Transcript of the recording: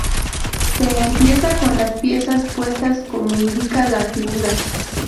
Se empieza con las piezas puestas cómo indica la figura.